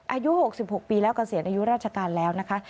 อายุ๖๖ปีแล้วเกษียณอายุราชการแล้วนะคะ